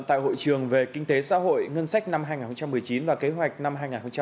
tại hội trường về kinh tế xã hội ngân sách năm hai nghìn một mươi chín và kế hoạch năm hai nghìn hai mươi